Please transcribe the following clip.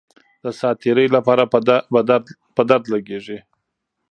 د ساعت تیرۍ لپاره په درد لګېږي.